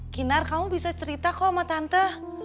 kinar kamu bisa cerita kok sama tante